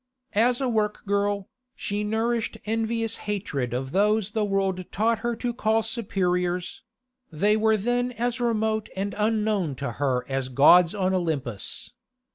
As a work girl, she nourished envious hatred of those the world taught her to call superiors; they were then as remote and unknown to her as gods on Olympus.